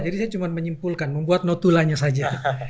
jadi saya cuma menyimpulkan membuat notulanya saja